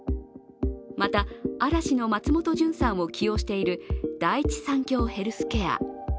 また、嵐の松本潤さんを起用している第一三共ヘルスケア。